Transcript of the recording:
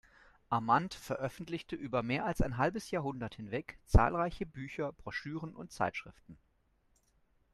Armand veröffentlichte über mehr als ein halbes Jahrhundert hinweg zahlreiche Bücher, Broschüren und Zeitschriften.